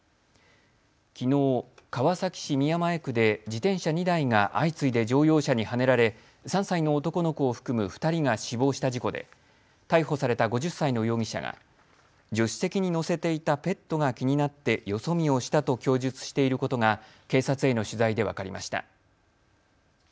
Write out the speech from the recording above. きのう、川崎市宮前区で自転車２台が相次いで乗用車にはねられ、３歳の男の子を含む２人が死亡した事故で逮捕された５０歳の容疑者が助手席に乗せていたペットが気になって、よそ見をしたと供述していることが警察への取材で分かりました。